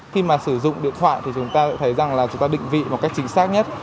khi mà sử dụng điện thoại thì chúng ta lại thấy rằng là chúng ta định vị một cách chính xác nhất